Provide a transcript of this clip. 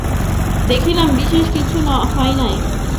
দেখিলাম, বিশেষ কিছু হয় নাই।